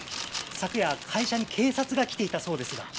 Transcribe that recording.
昨夜会社に警察が来ていたそうですが？